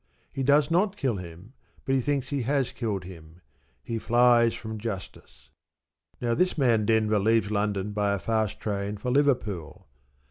He does not kill him, but he thinks he has killed him. He flies from justice. Now this man Denver leaves London by a fast train for Liverpool.